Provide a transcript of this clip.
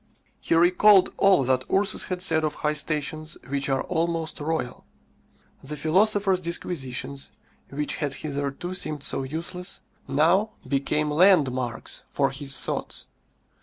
He recalled all that Ursus had said of high stations which are almost royal. The philosopher's disquisitions, which had hitherto seemed so useless, now became landmarks for his thoughts.